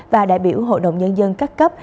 và đại biểu hội đồng nhân dân các cấp